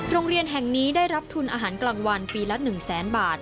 โรงเรียนแห่งนี้ได้รับทุนอาหารกลางวันปีละ๑แสนบาท